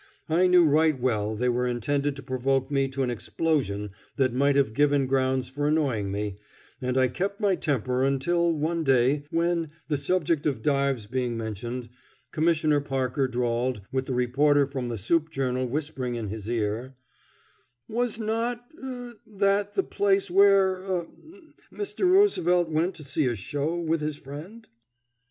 I knew right well they were intended to provoke me to an explosion that might have given grounds for annoying me, and I kept my temper until one day, when, the subject of dives being mentioned, Commissioner Parker drawled, with the reporter from the soup journal whispering in his ear: "Was not er r that the place where er r Mr. Roosevelt went to see a show with his friend?"